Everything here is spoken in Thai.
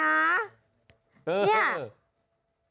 เนี่ย